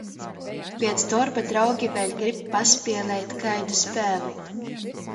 Piec dorba draugi vēļ grib paspielēt kaidu spēli.